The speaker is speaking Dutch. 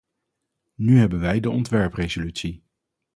Nu hebben wij de ontwerp-resolutie.